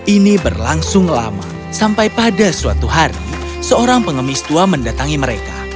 ini berlangsung lama sampai pada suatu hari seorang pengemis tua mendatangi mereka